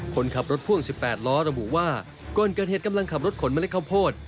คนขับรถพ่วง๑๘ล้อระบุว่าก่อนเกิดเหตุกำลังขับรถขนเมล็ดข้าวโพด